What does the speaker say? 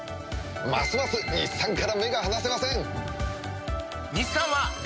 ますます日産から目が離せません！